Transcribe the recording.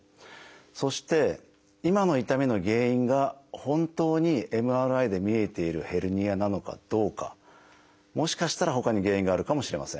そして今の痛みの原因が本当にＭＲＩで見えているヘルニアなのかどうかもしかしたらほかに原因があるかもしれません。